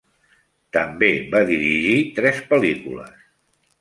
També va dirigir tres pel·lícules.